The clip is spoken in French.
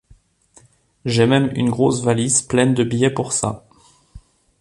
J’ai même une grosse valise pleine de billets pour ça.